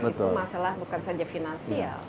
itu masalah bukan saja finansial